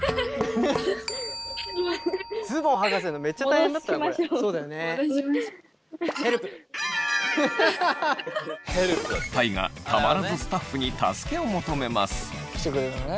大我たまらずスタッフに助けを求めます。